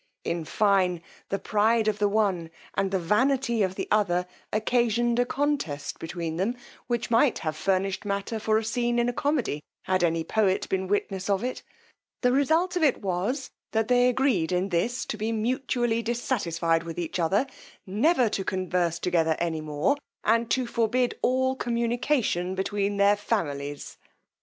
In fine, the pride of the one, and the vanity of the other, occasioned a contest between them, which might have furnished matter for a scene in a comedy had any poet been witness of it: the result of it was that they agreed in this to be mutually dissatisfied with each other, never to converse together any more, and to forbid all communication between their families.